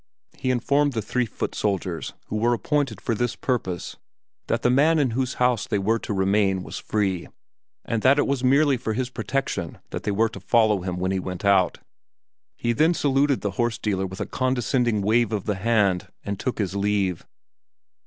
He informed the three foot soldiers, who were appointed for this purpose, that the man in whose house they were to remain was free, and that it was merely for his protection that they were to follow him when he went out; he then saluted the horse dealer with a condescending wave of the hand, and took his leave.